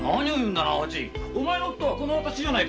お前のおっ父は私じゃないか。